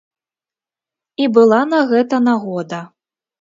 І была на гэта нагода.